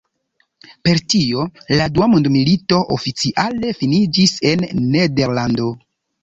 Per tio la dua mondmilito oficiale finiĝis en Nederlando.